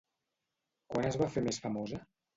Quan es va fer més famosa?